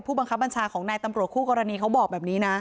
บังคับบัญชาของนายตำรวจคู่กรณีเขาบอกแบบนี้นะ